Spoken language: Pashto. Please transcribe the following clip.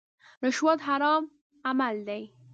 رشوت حرام عمل دی.